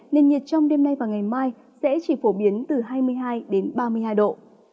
nền nhiệt trong đêm nay và ngày mai sẽ chỉ phổ biến từ hai mươi hai đến ba mươi hai độ